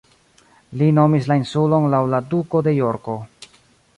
Li nomis la insulon laŭ la Duko de Jorko.